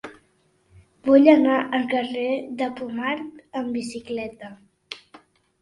Vull anar al carrer de Pomar amb bicicleta.